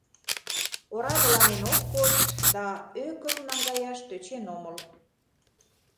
Орадыланен ок кошт, да ӧкым наҥгаяш тӧчен омыл.